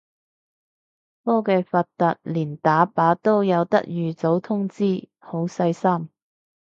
科技發達連打靶都有得預早通知，好細心